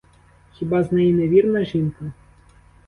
Хіба з неї не вірна жінка?